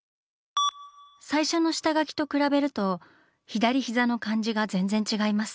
最初の下描きと比べると左膝の感じが全然違います。